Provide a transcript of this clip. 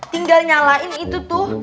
tinggal nyalain itu tuh